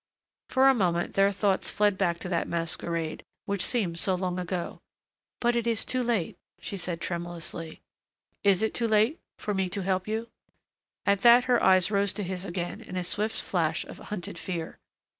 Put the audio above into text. For a moment their thoughts fled back to that masquerade, which seemed so long ago. "But it is too late," she said tremulously. "Is it too late for me to help you?" At that her eyes rose to his again in a swift flash of hunted fear.